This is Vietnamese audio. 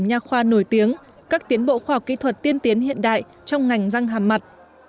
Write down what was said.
nhà khoa nổi tiếng các tiến bộ khoa học kỹ thuật tiên tiến hiện đại trong ngành răng hàm mặt